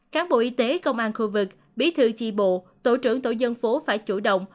cán bộ y tế công an khu vực bí thư chi bộ tổ trưởng tổ dân phố phải chủ động